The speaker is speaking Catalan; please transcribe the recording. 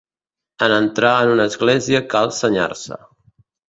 En entrar en una església cal senyar-se.